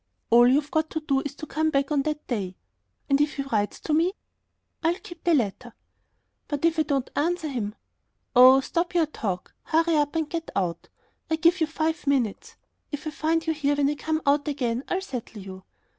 "All you've got to do is to come back on that day." "And if he writes to me?" "I'll keep the letter." "But if I don't answer him?..." "Oh, stop your talk. Hurry up and get out! I give you five minutes. If I find you here when I come out again I'll settle you."